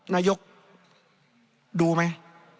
นายกดูไหม